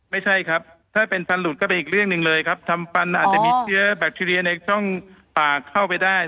ไม่ใช่ครับถ้าเป็นฟันหลุดก็เป็นอีกเรื่องหนึ่งเลยครับทำฟันอาจจะมีเชื้อแบคทีเรียในช่องปากเข้าไปได้